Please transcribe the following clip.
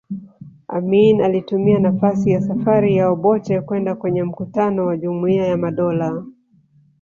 Amin alitumia nafasi ya safari ya Obote kwenda kwenye mkutano wa Jumuiya ya Madola